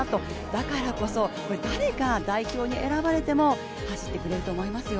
だからこそ、誰が代表に選ばれても走ってくれると思いますよ。